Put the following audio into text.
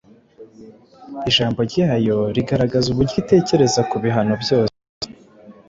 Ijambo ryayo rigaragaza uburyo itekereza ku bihano byose